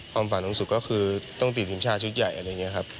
ความฝันสุดก็คือต้องติดทีมชาติชุดใหญ่